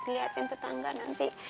liatin tetangga nanti